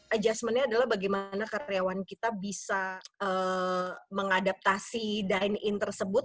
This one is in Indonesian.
adjustmentnya adalah bagaimana karyawan kita bisa mengadaptasi dine in tersebut